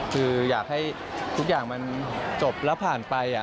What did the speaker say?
คืออยากให้ทุกอย่างมันจบแล้วผ่านไป